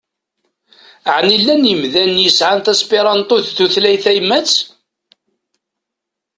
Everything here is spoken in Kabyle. Ɛni llan yemdanen i yesɛan taspiṛanṭut d tutlayt tayemmat?